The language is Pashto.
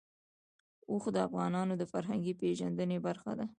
اوښ د افغانانو د فرهنګي پیژندنې برخه ده.